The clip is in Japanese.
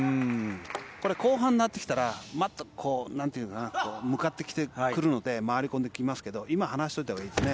これは後半になってきたら向かってきてくるので回り込んできますけど今、離しておいたほうがいいですね。